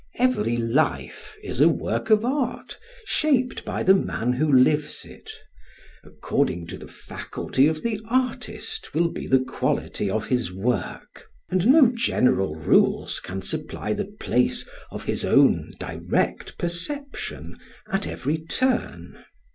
Every life is a work of art shaped by the man who lives it; according to the faculty of the artist will be the quality of his work, and no general rules can supply the place of his own direct perception at every turn.